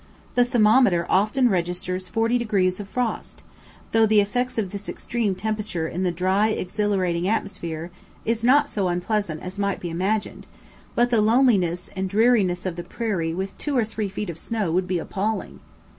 The thermometer often registers forty degrees of frost, though the effects of this extreme temperature in the dry exhilarating atmosphere is not so unpleasant as might be imagined, but the loneliness and dreariness of the prairie with two or three feet of snow would be appalling.